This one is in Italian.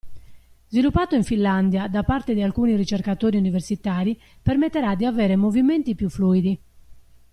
Sviluppato in Finlandia, da parte di alcuni ricercatori universitari, permetterà di avere movimenti più fluidi.